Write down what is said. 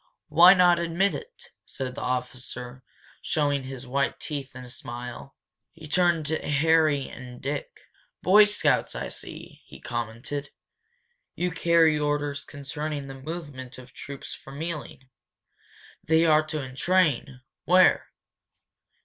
Why not admit it?" said the officer, showing his white teeth in a smile. He turned to Harry an Dick. "Boy Scouts, I see," he commented. "You carry orders concerning the movement of troops from Ealing? They are to entrain where?"